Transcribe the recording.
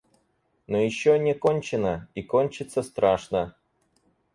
Но еще не кончено... и кончится страшно.